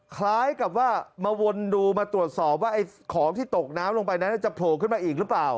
คล้ายกับว่ามาวนดูมาตรวจสอบว่าไอ้ของที่ตกน้ำลงไปนั้นจะโผล่ขึ้นมาอีกหรือเปล่า